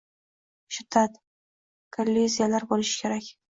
Shiddat, kolliziyalar bo‘lishi kerak.